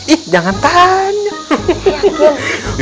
ih jangan tanya